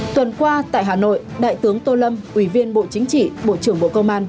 tuần qua tại hà nội đại tướng tô lâm ủy viên bộ chính trị bộ trưởng bộ công an